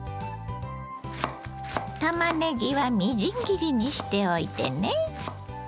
たまねぎはみじん切りにしておいてね。